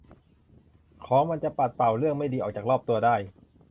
ของมันจะปัดเป่าเรื่องไม่ดีออกจากรอบตัวได้